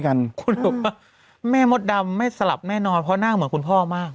คุณบอกว่าแม่มดดำไม่สลับแน่นอนเพราะหน้าเหมือนคุณพ่อมาก